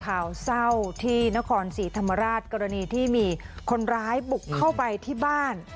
ข่าวเศร้าที่นครศรีธรรมราชกรณีที่มีคนร้ายบุกเข้าไปที่บ้าน